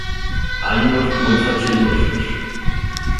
Hainos moi fachendosos;